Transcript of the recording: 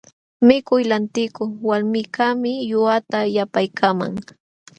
Mikuy lantikuq walmikaqmi ñuqata yapaykaman.